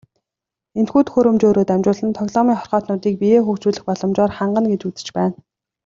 Энэхүү төхөөрөмжөөрөө дамжуулан тоглоомын хорхойтнуудыг биеэ хөгжүүлэх боломжоор хангана гэж үзэж байна.